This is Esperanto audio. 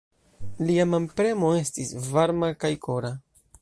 Lia manpremo estis varma kaj kora.